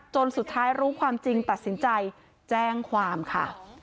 จนสุดท้ายรู้ความจริงตัดสินใจแจ้งความค่ะ